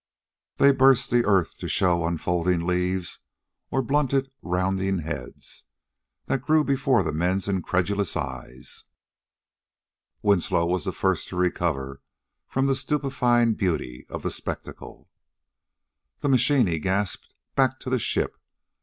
They burst the earth to show unfolding leaves or blunted, rounding heads, that grew before the men's incredulous eyes. Winslow was the first to recover from the stupefying beauty of the spectacle. "The machine!" he gasped. "Back to the ship!